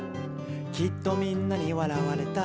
「きっとみんなにわらわれた」